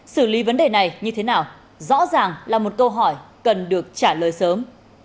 xử lý vấn đề này như thế nào rõ ràng là một câu hỏi cần được trả lời sớm